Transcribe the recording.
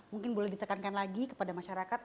mungkin boleh ditekankan lagi kepada masyarakat